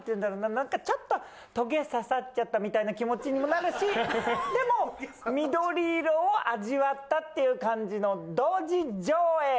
何かちょっとトゲ刺さっちゃったみたいな気持ちにもなるしでも緑色を味わったっていう感じの同時上映！